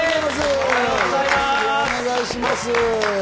おはようございます！